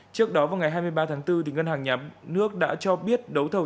trước đó vào ngày hai mươi ba tháng bốn ngân hàng nhà nước đã cho biết đấu thầu